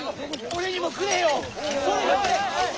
俺にもくれよ！